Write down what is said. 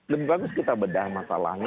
lebih bagus kita bedah masalahnya